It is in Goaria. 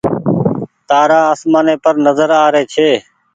تآرآ آسمآني پر نزر آري ڇي۔